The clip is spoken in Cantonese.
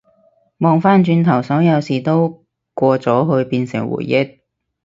望返轉頭，所有事都過咗去變成回憶